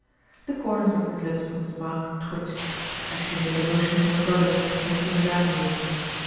The corners of Miss Lipscombe's mouth twitched, as she made a motion to her brother to return to the dining room.